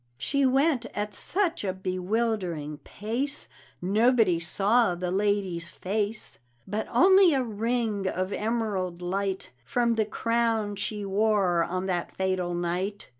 She went at such a bewildering pace Nobody saw the lady's face, But only a ring of emerald light From the crown she wore on that fatal night.